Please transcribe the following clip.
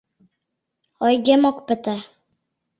Ойгем ок пыте.